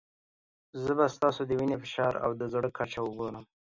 زه به ستاسو د وینې فشار او د زړه کچه وګورم.